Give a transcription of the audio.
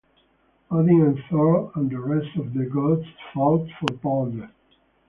Odin and Thor and the rest of the gods fought for Balder.